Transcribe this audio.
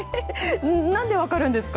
何で分かるんですか？